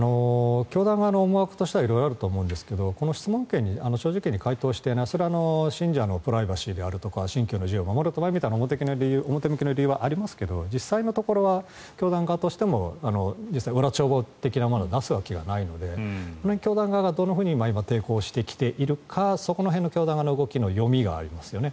教団側の思惑としては色々あると思いますが質問権に正直に回答していないそれは信者のプライバシーとか信教の自由を守るとか表向きの理由はありますけど実際のところは教団側としても実際、裏帳簿的なものを出すわけがないので教団側がどんなふうに抵抗をしてきているかそこの辺の教団側の動きの読みがありますよね。